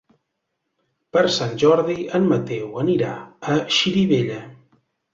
Per Sant Jordi en Mateu anirà a Xirivella.